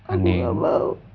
aku nggak mau